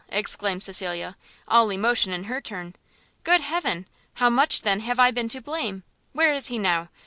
exclaimed Cecilia, all emotion in her turn, "good heaven! how much, then, have I been to blame? where is he now?